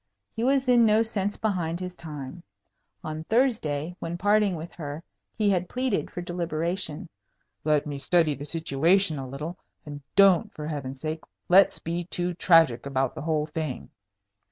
He was in no sense behind his time. On Thursday, when parting with her, he had pleaded for deliberation. "Let me study the situation a little; and don't, for Heaven's sake, let's be too tragic about the whole thing."